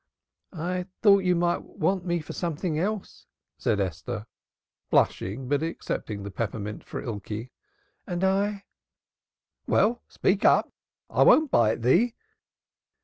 "I thought you might want me for something else," said Esther, blushing but accepting the peppermint for Ikey. "And I I " "Well, speak up! I won't bite thee."